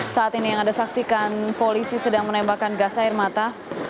saat ini yang anda saksikan polisi sedang menembakkan gas air mata